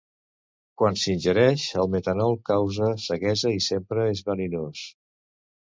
Quan s'ingereix, el metanol causa ceguesa i sempre és verinós.